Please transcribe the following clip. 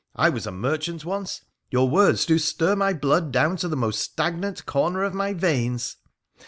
I was a merchant once. Your words do stir my blood down to the most stagnant corner of my veins